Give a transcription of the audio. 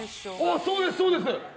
そうです、そうです。